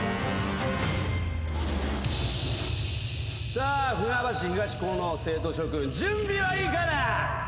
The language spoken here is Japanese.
さあ船橋東高の生徒諸君準備はいいかな？